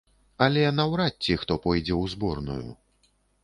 Але наўрад ці хто пойдзе ў зборную.